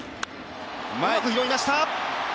うまく拾いました。